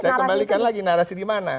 saya kembalikan lagi narasi di mana